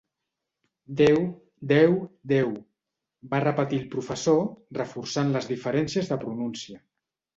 Déu deu deu —va repetir el professor, reforçant les diferències de pronúncia.